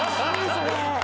それ。